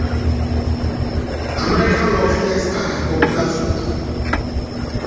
American lobsters are a popular food.